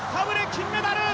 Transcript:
金メダル